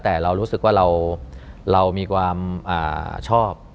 แต่เรารู้สึกว่าเรามีความชอบ